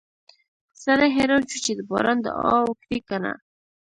سړی حیران شو چې د باران دعا وکړي که نه